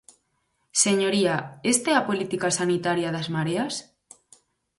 Señoría, ¿esta é a política sanitaria das Mareas?